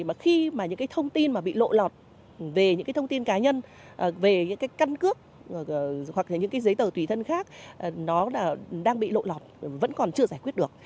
mà khi mà những cái thông tin mà bị lộ lọt về những cái thông tin cá nhân về những cái căn cước hoặc những cái giấy tờ tùy thân khác nó đang bị lộ lọt vẫn còn chưa giải quyết được